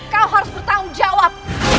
kau harus bertanggung jawab